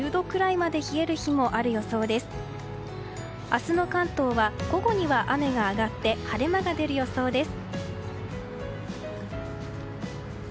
明日の関東は午後には雨が上がって晴れ間が出る予想です。